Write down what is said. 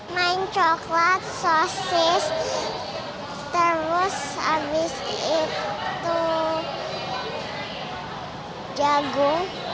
main coklat sosis terus habis itu jagung